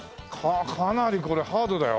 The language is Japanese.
かなりこれハードだよ。